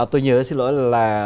tôi nhớ xin lỗi là